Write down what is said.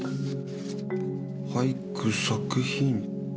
『俳句作品展』。